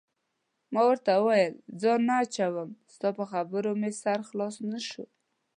ما ورته وویل: ځان نه اچوم، ستا په خبره مې سر خلاص نه شو.